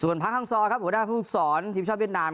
ส่วนพังฮังซอครับหัวหน้าผู้สอนทีมชอบเวียดนาม